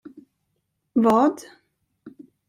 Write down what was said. Vad?